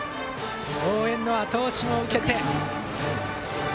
応援のあと押しも受けて。